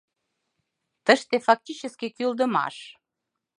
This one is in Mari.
Тыште фактически кӱлдымаш.